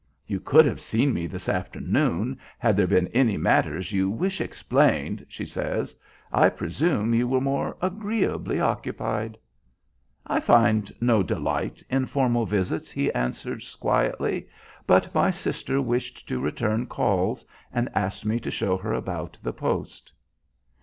"You could have seen me this afternoon, had there been any matters you wished explained," she says. "I presume you were more agreeably occupied." "I find no delight in formal visits," he answers, quietly; "but my sister wished to return calls and asked me to show her about the post."